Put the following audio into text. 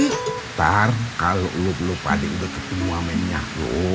ntar kalo lu padi udah ketua minyak lu